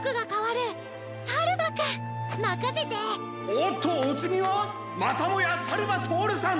おっとおつぎはまたもやさるばとおるさん！